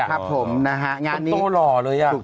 คนโตร่เลย